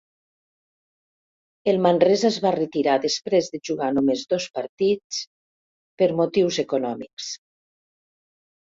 El Manresa es va retirar després de jugar només dos partits, per motius econòmics.